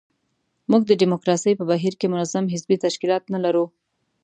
موږ د ډیموکراسۍ په بهیر کې منظم حزبي تشکیلات نه لرو.